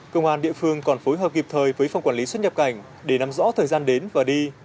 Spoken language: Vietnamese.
công an địa phương còn phối hợp kịp thời với phòng quản lý xuất nhập cảnh để nắm rõ thời gian đến và đi